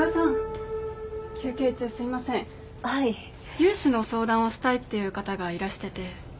融資の相談をしたいっていう方がいらしてて。